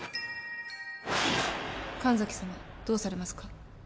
神崎さまどうされますか？